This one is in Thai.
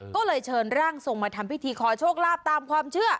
ก็เลยเชิญร่างทรงมาทำพิธีขอโชคลาภตามความเชื่อ